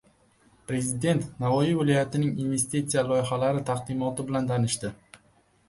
Prezident Navoiy viloyatining investitsiya loyihalari taqdimoti bilan tanishdi